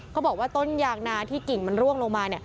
เขาบอกว่าต้นยางนาที่กิ่งมันร่วงลงมา